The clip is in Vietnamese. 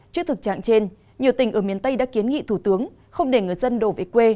trước thực trạng trên nhiều tỉnh ở miền tây đã kiến nghị thủ tướng không để người dân đổ về quê